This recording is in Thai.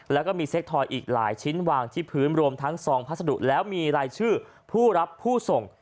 แล้วก็มีเซ็กทอยอีกหลายชิ้นวางที่พื้นรวมทั้งซองพัสดุแล้วมีรายชื่อผู้รับผู้ส่ง